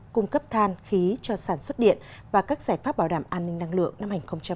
cung cấp than khí cho sản xuất điện và các giải pháp bảo đảm an ninh năng lượng năm hai nghìn hai mươi